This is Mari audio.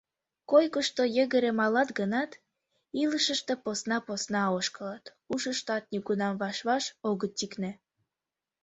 Койкышто йыгыре малат гынат, илышыште посна-посна ошкылыт, ушыштат нигунам ваш-ваш огыт тӱкнӧ.